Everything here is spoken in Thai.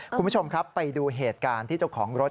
คุณผู้ชมครับไปดูเหตุการณ์ที่เจ้าของรถ